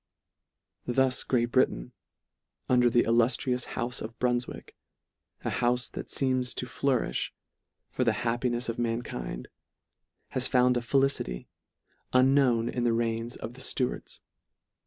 Thus Great Britain, under the illuftrious houfe of Brunfwick, a houfe that feems to flourifh for the happinefs of mankind, has found a felicity, unknown in the reigns of the Stuarts.